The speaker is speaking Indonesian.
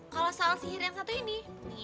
kalau sal sihir yang satu ini